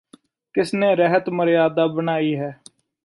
ਕਿਸ ਨੇ ਰਹਿਤ ਮਰਜਾਂਦਾਂ ਬੱਣਾਈ ਹੈ